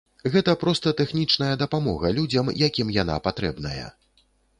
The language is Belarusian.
Гэта проста тэхнічная дапамога людзям, якім яна патрэбная.